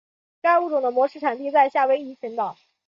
该物种的模式产地在夏威夷群岛。